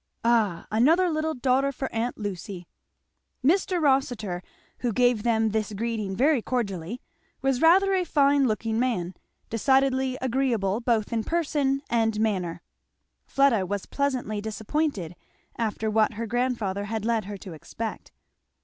Ah, another little daughter for aunt Lucy." Mr. Rossitur, who gave them this greeting very cordially, was rather a fine looking man, decidedly agreeable both in person and manner. Fleda was pleasantly disappointed after what her grandfather had led her to expect.